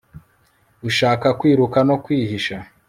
ushaka kwiruka no kwihisha